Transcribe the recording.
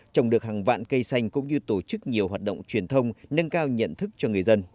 trồng được hàng vạn cây xanh cũng như tổ chức nhiều hoạt động truyền thông nâng cao nhận thức cho người dân